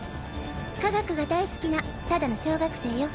科学が大好きなただの小学生よ。